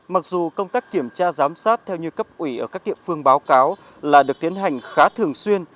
mặc dù công tác kiểm tra giám sát theo như cấp ủy ở các địa phương báo cáo là được tiến hành khá thường xuyên